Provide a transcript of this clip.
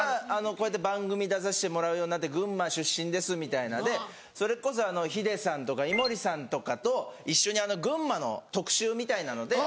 こうやって番組出させてもらうようになって「群馬出身です」みたいなでそれこそヒデさんとか井森さんとかと一緒に群馬の特集みたいなので。